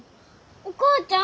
お母ちゃん？